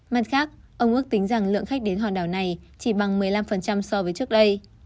mặt khác ông ước tính rằng lượng khách đến hòn đảo này chỉ bằng một mươi năm so với trước đây